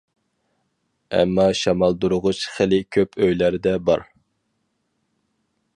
ئەمما شامالدۇرغۇچ خېلى كۆپ ئۆيلەردە بار.